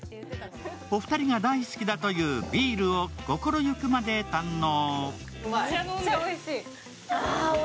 お二人が大好きだというビールを心ゆくまで堪能。